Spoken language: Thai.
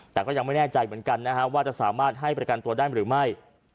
แต่ก็ยังไม่แน่ใจเหมือนกันนะฮะว่าจะสามารถให้ประกันตัวได้หรือไม่